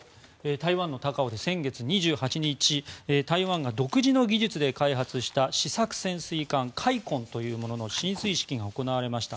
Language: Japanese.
台湾の高雄で先月２８日台湾が独自の技術で開発した試作潜水艦「海鯤」というものの進水式が行われました。